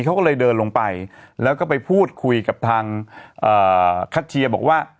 เขาก็เลยเดินลงไปแล้วก็ไปพูดคุยกับทางคัทเชียร์บอกว่า